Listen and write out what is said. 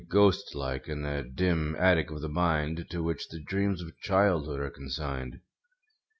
Ghost like, in that dim attic of the mind To which the dreams of childhood are consigned.